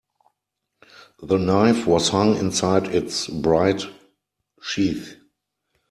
The knife was hung inside its bright sheath.